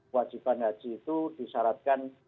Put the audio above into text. wajiban haji itu disyaratkan